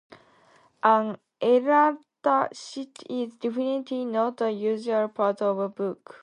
An errata sheet is definitely not a usual part of a book.